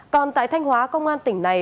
còn tại thanh hóa công an tỉnh này